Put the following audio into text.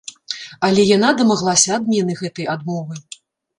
Але яна дамаглася адмены гэтай адмовы.